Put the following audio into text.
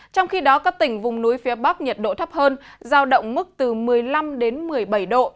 trong khi đó các tỉnh vùng núi phía bắc nhiệt độ thấp hơn giao động mức từ một mươi năm đến một mươi bảy độ